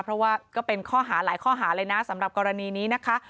เพราะว่าก็เป็นข้อหาหลายข้อหาเลยนะสำหรับกรณีนี้นะคะ